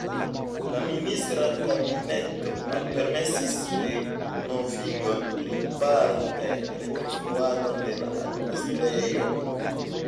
La ministra kabineto malpermesis renovigon, riparon kaj rekonstruadon de administrejoj.